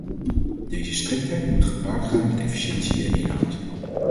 Deze striktheid moet gepaard gaan met efficiëntie en inhoud.